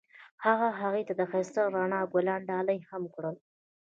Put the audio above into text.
هغه هغې ته د ښایسته رڼا ګلان ډالۍ هم کړل.